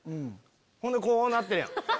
ほんでこうなってるやん。